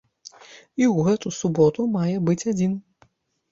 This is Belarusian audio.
І ў гэту суботу мае быць адзін.